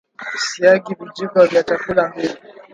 siagi vijiko vya chakula mbili